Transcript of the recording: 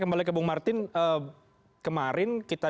kembali ke bung martin kemarin kita